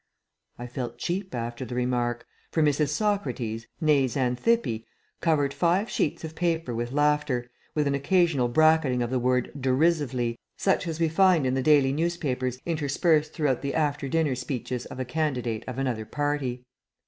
I felt cheap after the remark, for Mrs. Socrates, nee Xanthippe, covered five sheets of paper with laughter, with an occasional bracketing of the word "derisively," such as we find in the daily newspapers interspersed throughout the after dinner speeches of a candidate of another party.